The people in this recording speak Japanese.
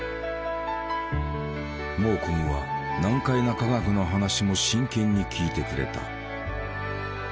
モーコムは難解な科学の話も真剣に聞いてくれた。